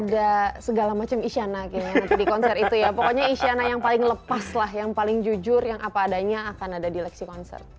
ada segala macam isyana kayaknya nanti di konser itu ya pokoknya isyana yang paling lepas lah yang paling jujur yang apa adanya akan ada di lexi konser